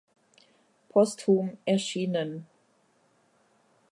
Posthum erschienen